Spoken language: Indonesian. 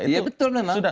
ya betul memang